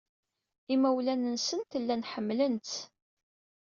Imawlan-nsent llan ḥemmlen-tt.